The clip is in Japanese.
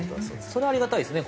それはありがたいですね